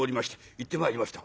「行ってまいりました」。